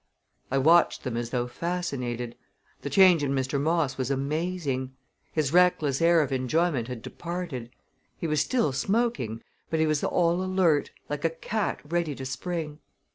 I watched them as though fascinated. The change in Mr. Moss was amazing. His reckless air of enjoyment had departed. He was still smoking, but he was all alert, like a cat ready to spring.